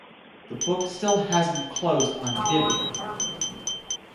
The book still hasn't closed on Vivian.